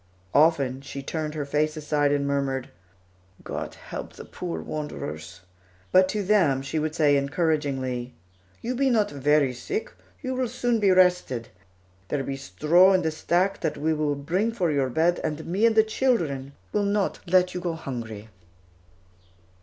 Often, she turned her face aside and murmured, "God help the poor wanderers"; but to them she would say encouragingly, "You be not very sick, you will soon be rested. There be straw in the stack that we will bring for your bed, and me and the children will let you not go hungry."